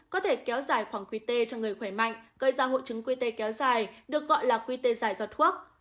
có thể kéo dài khoảng quy tê cho người khỏe mạnh gây ra hộ trứng quy tê kéo dài được gọi là quy tê dài do thuốc